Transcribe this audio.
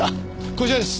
こちらです。